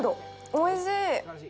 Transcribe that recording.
おいしい。